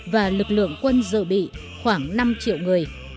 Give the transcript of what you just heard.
và lực lượng quân dự bị khoảng năm triệu người